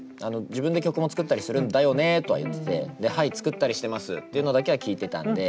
「自分で曲も作ったりするんだよね」とは言ってて「はい作ったりしてます」というのだけは聞いてたんで。